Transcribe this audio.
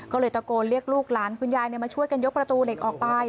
ก็เลยตะโกนเรียกลูกหลานคุณยายมาช่วยกันยกประตูเหล็กออกไป